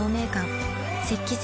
「雪肌精」